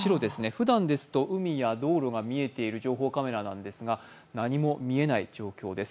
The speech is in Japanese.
ふだんですと海や道路が見えている情報カメラなんですが何も見えない状況です